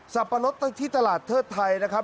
สัปดาห์รสที่ตลาดเทศไทยนะครับ